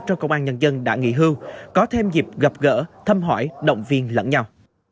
trong công an nhân dân đã nghỉ hưu có thêm dịp gặp gỡ thăm hỏi động viên lẫn nhau